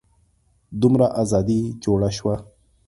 دومره ازادي جوړه شوه.